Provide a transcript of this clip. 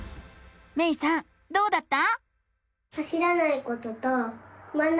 めいさんどうだった？